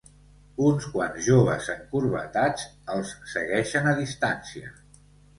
Uns quants joves encorbatats els segueixen a distància.